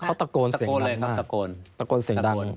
เขาตะโกนเสียงดังมากตะโกนเสียงดัง